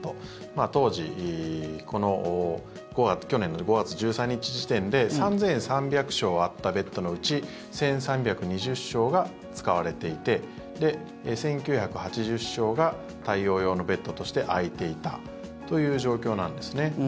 当時、去年の５月１３日時点で３３００床あったベッドのうち１３２０床が使われていて１９８０床が対応用のベッドとして空いていたという状況なんですね。